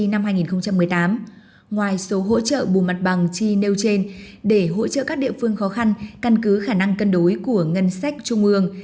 năm hai nghìn một mươi tám ngoài số hỗ trợ bù mặt bằng chi nêu trên để hỗ trợ các địa phương khó khăn căn cứ khả năng cân đối của ngân sách trung ương